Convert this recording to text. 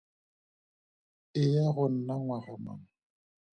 E ya go nna ngwaga mang?